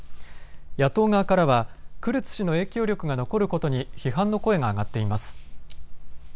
野党側からはクルツ氏の影響力が残ることに批判の声が上がっています。